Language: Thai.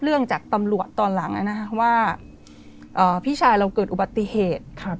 เรื่องจากตำรวจตอนหลังว่าพี่ชายเราเกิดอุบัติเหตุ